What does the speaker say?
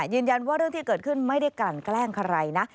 เรื่องที่เกิดขึ้นไม่ได้กลั่นแกล้งใครนะ